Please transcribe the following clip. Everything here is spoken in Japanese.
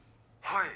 はい！